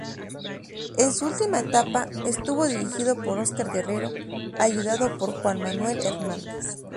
En su última etapa, estuvo dirigido por Óscar Guerrero, ayudado por Juan Manuel Hernández.